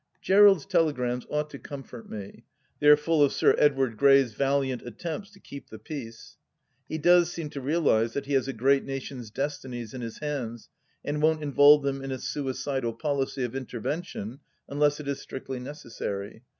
... emerald's telegrams ought to comfort me ; they are full of Sir Edward Grey's valiant attempts to keep the peace. He does seem to realise that he has a great nation's destinies in his hands and won't involve them in a suicidal policy of intervention unless it is strictly necessary.